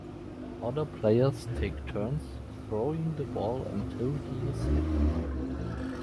Other players take turns throwing the ball until he is hit.